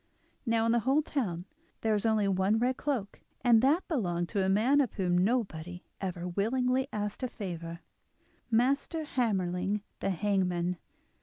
Now in the whole town there was only one red cloak, and that belonged to a man of whom nobody ever willingly asked a favour—Master Hammerling the hangman.